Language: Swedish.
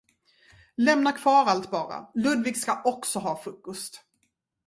Lämna kvar allt bara, Ludvig ska också ha frukost.